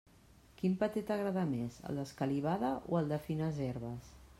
Quin paté t'agrada més, el d'escalivada o el de fines herbes?